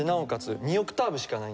２オクターブしかないんですよ。